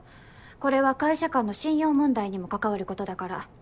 これは会社間の信用問題にも関わることだから。